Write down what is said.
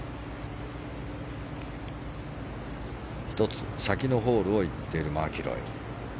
１つ先のホールを行っているマキロイ。